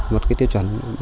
một tiêu chuẩn việt gáp